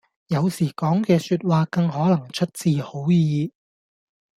有時講嘅說話更可能出自好意